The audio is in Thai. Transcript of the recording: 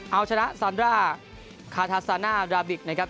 เอาชนะซานร่าคาทาซาน่าดราบิกนะครับ